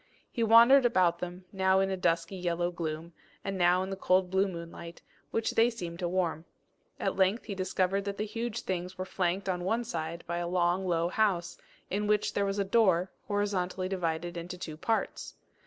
He wandered about them, now in a dusky yellow gloom, and now in the cold blue moonlight, which they seemed to warm. At length he discovered that the huge things were flanked on one side by a long low house, in which there was a door, horizontally divided into two parts.